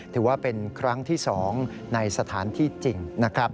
ถือว่าเป็นครั้งที่๒ในสถานที่จริงนะครับ